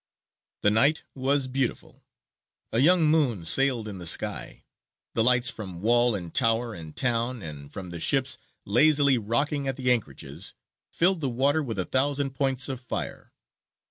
The night was beautiful; a young moon sailed in the sky; the lights from wall and tower and town, and from the ships lazily rocking at the anchorages, filled the water with a thousand points of fire.